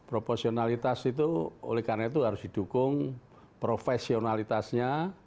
proporsionalitas itu oleh karena itu harus didukung profesionalitasnya